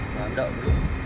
anh đợi một lúc